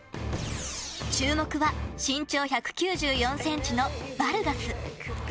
注目は身長１９４センチのバルガス。